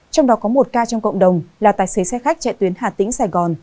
trong đó có một ca trong cộng đồng là tài xế xe khách chạy tuyến hà tĩnh sài gòn